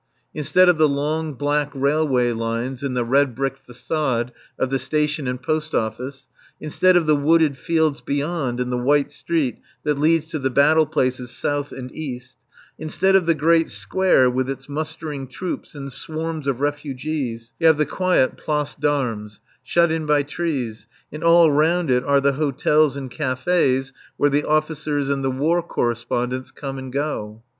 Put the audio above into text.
Instead of the long, black railway lines and the red brick façade of the Station and Post Office; instead of the wooded fields beyond and the white street that leads to the battle places south and east; instead of the great Square with its mustering troops and swarms of refugees, you have the quiet Place d'Armes, shut in by trees, and all round it are the hotels and cafés where the officers and the War Correspondents come and go.